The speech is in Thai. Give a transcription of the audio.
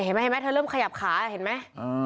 เห็นมั้ยเธอเริ่มขยับขาเห็นมั้ย